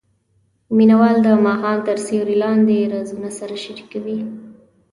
مینه وال د ماښام تر سیوري لاندې رازونه سره شریکوي.